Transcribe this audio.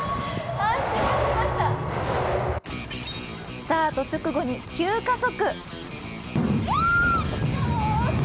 スタート直後に急加速。